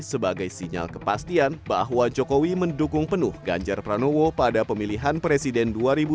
sebagai sinyal kepastian bahwa jokowi mendukung penuh ganjar pranowo pada pemilihan presiden dua ribu dua puluh